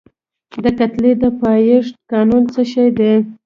د کتلې د پایښت قانون څه شی دی؟